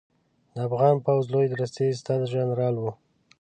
د افغان پوځ لوی درستیز سترجنرال و